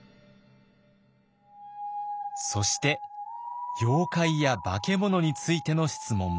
そして妖怪や化け物についての質問も。